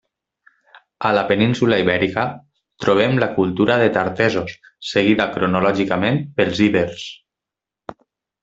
A la península Ibèrica, trobem la cultura de Tartessos, seguida cronològicament pels ibers.